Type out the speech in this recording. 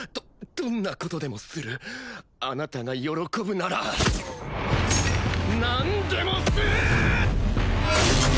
どんなことでもするあなたが喜ぶなら何でもする！